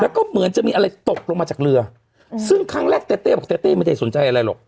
แล้วก็เหมือนจะมีอะไรตกลงมาจากเรือซึ่งครั้งแรกเต้เต้บอกเต้เต้ไม่ได้สนใจอะไรหรอก